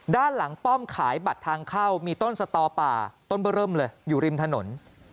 ด้านหลังป้อมขายบัตรทางเข้ามีต้นสตอป่าต้นเบอร์เริ่มเลยอยู่ริมถนน